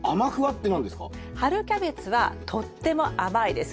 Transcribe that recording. でも春キャベツはとっても甘いです。